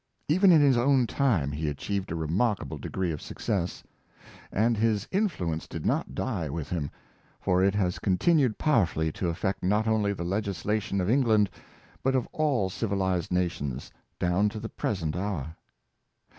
Even in his own time he achieved a remark able degree of success; and his influence did not die with him, for it has continued powerfully to affect not only the legislation of England, but of all civilized na tions, down to the present hour.